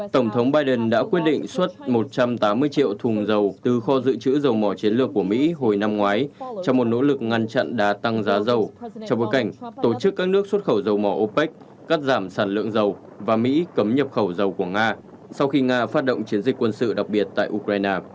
tổng thống biden đã quyết định xuất một trăm tám mươi triệu thùng dầu từ kho dự trữ dầu mỏ chiến lược của mỹ hồi năm ngoái trong một nỗ lực ngăn chặn đá tăng giá dầu trong bối cảnh tổ chức các nước xuất khẩu dầu mỏ opec cắt giảm sản lượng dầu và mỹ cấm nhập khẩu dầu của nga sau khi nga phát động chiến dịch quân sự đặc biệt tại ukraine